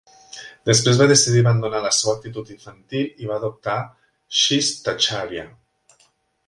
Després va decidir abandonar la seva actitud infantil i va adoptar shistacharya.